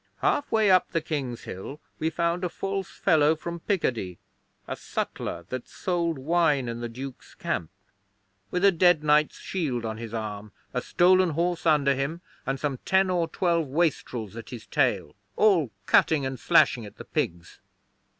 Half way up the King's Hill we found a false fellow from Picardy a sutler that sold wine in the Duke's camp with a dead knight's shield on his arm, a stolen horse under him, and some ten or twelve wastrels at his tail, all cutting and slashing at the pigs.